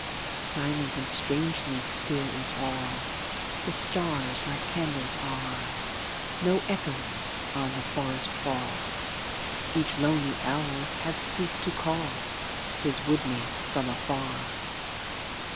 Silent and strangely still is all; The stars like candles are, No echoes on the forest fall, Each lonely owl hath ceas'd to call His wood mate from afar.